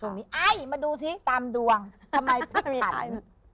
ช่วงนี้ไอ้มาดูซิตามดวงทำไมพลิกตัน